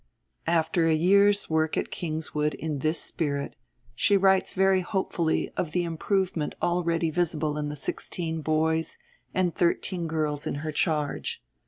After a year's work at Kingswood in this spirit, she writes very hopefully of the improvement already visible in the sixteen boys and thirteen girls in her charge.